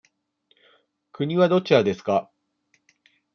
国はどちらですか。